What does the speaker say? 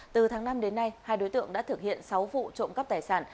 từ tháng năm đến nay hai đối tượng đã thực hiện sáu vụ trộm cắp tài sản